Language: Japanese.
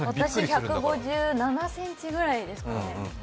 私、１５７ｃｍぐらいですから。